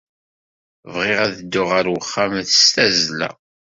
Bɣiɣ ad dduɣ ɣer wexxam s tazzla.